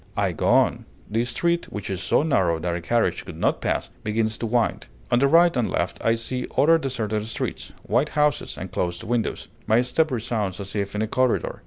I go on; the street, which is so narrow that a carriage could not pass, begins to wind; on the right and left I see other deserted streets, white houses, and closed windows. My step resounds as if in a corridor.